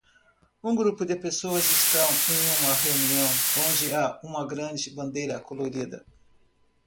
Um grupo de pessoas está em uma reunião onde há uma grande bandeira colorida